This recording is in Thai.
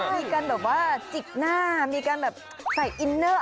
มีการแบบว่าจิกหน้ามีการแบบใส่อินเนอร์